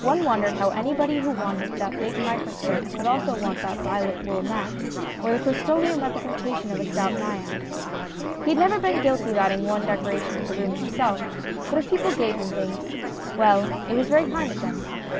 One wondered how anybody who wanted that big microscope could also want that violet wool mat or the " crystoleum " representation of a stout Naiad. He had never been guilty of adding one decoration to the room himself; but if people gave him things well, it was very kind of them.